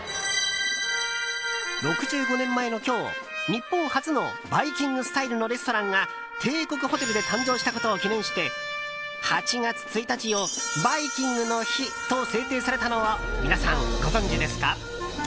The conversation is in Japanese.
６５年前の今日日本初のバイキングスタイルのレストランが帝国ホテルで誕生したことを記念して８月１日をバイキングの日と制定されたのを皆さん、ご存じですか？